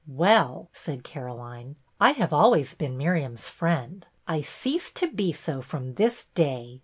" Well," said Caroline, " I have always been Miriam's friend. I cease to be so from this day.